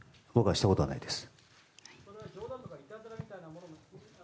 したことはないです。